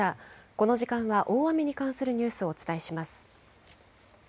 この時間は、大雨に関するニュースをお伝えします。